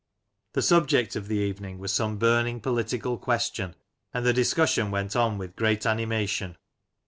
The subject of the evening was some burning political question, and the discussion went on with great animation.